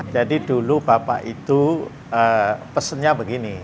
jadi dulu bapak itu pesennya begini